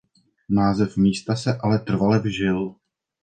Název místa se ale trvale vžil.